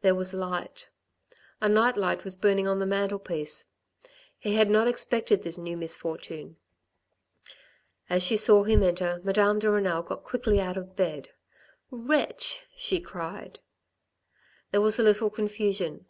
There was light ; a night light was burning on the mantelpiece. He had not expected this new misfortune. As she saw him enter, Madame de Renal got quickly out of bed. " Wretch," she cried. There was a little confusion.